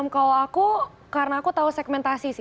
hal itu menurut re puts